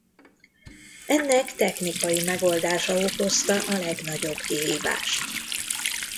Ennek technikai megoldása okozta a legnagyobb kihívást.